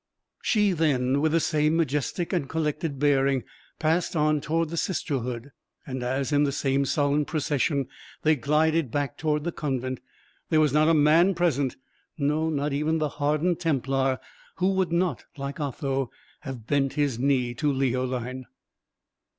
She then, with the same majestic and collected bearing, passed on towards the sisterhood; and as, in the same solemn procession, they glided back towards the convent, there was not a man present no, not even the hardened Templar who would not, like Otho, have bent his knee to Leoline.